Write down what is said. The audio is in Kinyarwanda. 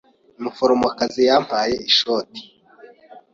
Umuforomokazi yampaye ishoti.